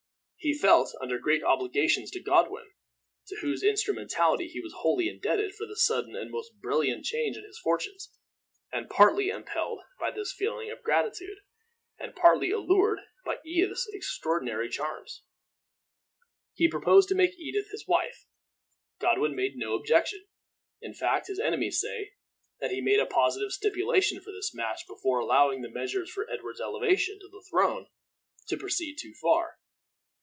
He felt under great obligations to Godwin, to whose instrumentality he was wholly indebted for this sudden and most brilliant change in his fortunes; and partly impelled by this feeling of gratitude, and partly allured by Edith's extraordinary charms, he proposed to make Edith his wife. Godwin made no objection. In fact, his enemies say that he made a positive stipulation for this match before allowing the measures for Edward's elevation to the throne to proceed too far.